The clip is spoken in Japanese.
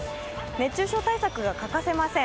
熱中症対策が欠かせません。